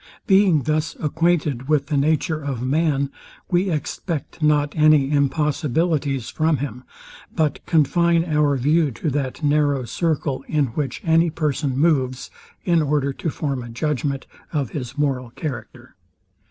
Being thus acquainted with the nature of man, we expect not any impossibilities from him; but confine our view to that narrow circle, in which any person moves, in order to form a judgment of his moral character.